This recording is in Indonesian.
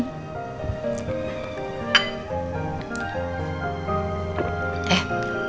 kamu udah bilang terima kasih belum sama dia